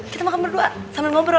kita makan berdua sambil ngobrol